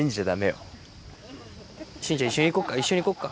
慎ちゃん一緒に行こうか一緒に行こうか。